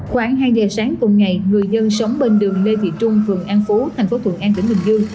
khoảng hai giờ sáng cùng ngày người dân sống bên đường lê thị trung vườn an phú tp thuận an tỉnh bình dương